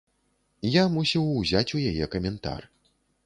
Я мусіў узяць у яе каментар.